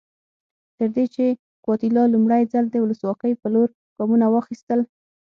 تر دې چې ګواتیلا لومړی ځل د ولسواکۍ په لور ګامونه واخیستل.